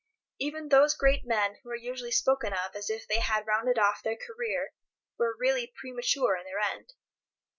Even those great men who are usually spoken of as if they had rounded off their career were really premature in their end.